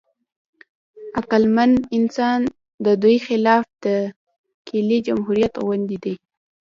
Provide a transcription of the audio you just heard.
عقلمن انسان د دوی خلاف د کیلې جمهوریت غوندې دی.